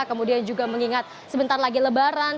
kemudian juga mengingat sebentar lagi lebaran